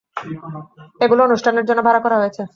এগুলো অনুষ্ঠানের জন্য ভাড়া করা হয়েছে।